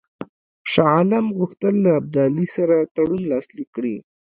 شاه عالم غوښتل له ابدالي سره تړون لاسلیک کړي.